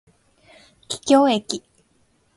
桔梗駅